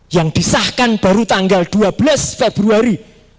yang disahkan baru tanggal dua belas februari dua ribu dua puluh